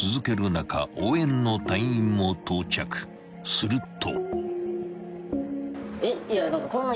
［すると］